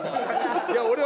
いや俺は。